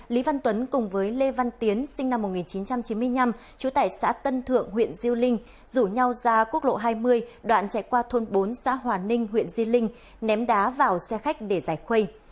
lý văn tuấn cùng với lê văn tiến sinh năm một nghìn chín trăm chín mươi năm trú tại xã tân thượng huyện diêu linh rủ nhau ra quốc lộ hai mươi đoạn chạy qua thôn bốn xã hòa ninh huyện di linh ném đá vào xe khách để giải khuây